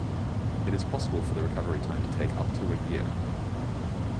It is possible for the recovery time to take up to a year.